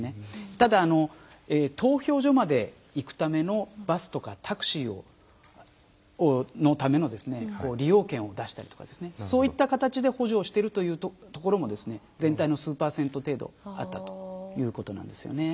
ただ、投票所まで行くためのバスとかタクシーのための利用券を出したりとかそういった形で補助をしているところも全体の数パーセント程度あったということなんですよね。